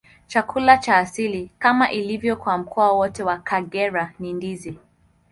Chakula cha asili, kama ilivyo kwa mkoa wote wa Kagera, ni ndizi.